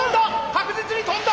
確実に跳んだ！